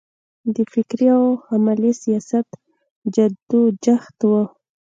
د فکري او عملي سیاست جدوجهد و.